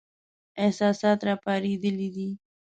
احساسات را پارېدلي دي.